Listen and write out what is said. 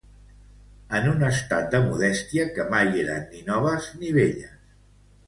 En un estat de modèstia que mai eren ni noves ni velles